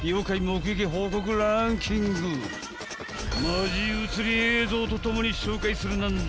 ［マジ映り映像とともに紹介するなんざ］